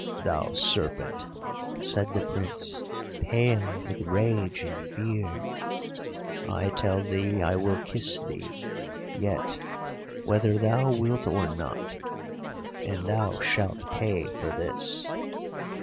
"'Thou serpent,' said the Prince, pale with rage and fear. 'I tell thee I will kiss thee yet, whether thou wilt or not, and thou shalt pay for this.